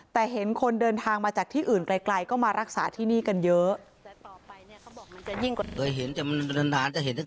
แต่เห็นคนเดินทางมาจากที่อื่นไกลก็มารักษาที่นี่กันเยอะ